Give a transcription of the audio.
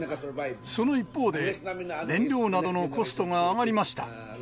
その一方で、燃料などのコストが上がりました。